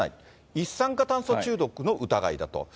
一酸化炭素中毒の疑いだと。